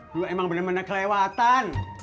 gue emang bener bener kelewatan